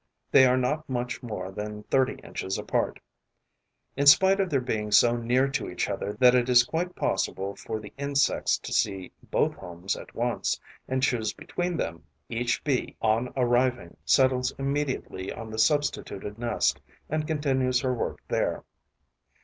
They are not much more than thirty inches a part. In spite of their being so near to each other that it is quite possible for the insects to see both homes at once and choose between them, each Bee, on arriving, settles immediately on the substituted nest and continues her work there.